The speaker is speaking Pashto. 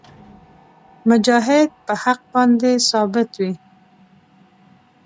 مجاهد په حق باندې ثابت وي.